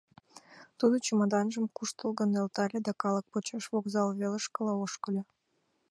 Тудо чемоданжым куштылгын нӧлтале да калык почеш вокзал велышкыла ошкыльо.